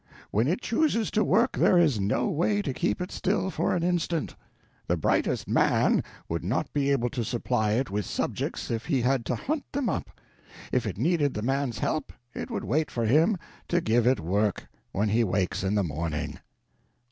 When it chooses to work, there is no way to keep it still for an instant. The brightest man would not be able to supply it with subjects if he had to hunt them up. If it needed the man's help it would wait for him to give it work when he wakes in the morning.